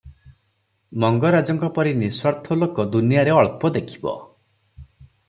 ମଙ୍ଗରାଜଙ୍କ ପରି ନିସ୍ୱାର୍ଥ ଲୋକ ଦୁନିଆରେ ଅଳ୍ପ ଦେଖିବ ।